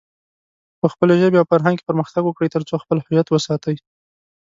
په خپلې ژبې او فرهنګ کې پرمختګ وکړئ، ترڅو خپل هويت وساتئ.